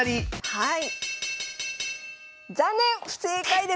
はい。